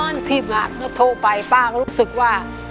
คนที่มารถยอดโตไปพ่าก็รู้สึกว่า